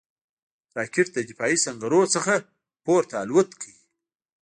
راکټ د دفاعي سنګرونو څخه پورته الوت کوي